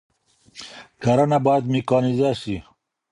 کرنه بايد ميکانيزه سي.